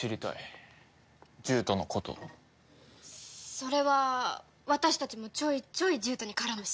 それは私たちもちょいちょい獣人に絡むし。